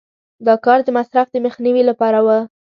دا کار د مصرف د مخنیوي لپاره و.